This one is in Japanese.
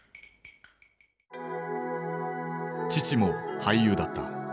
父も俳優だった。